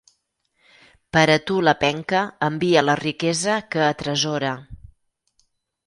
Per a tu la penca envia la riquesa que atresora.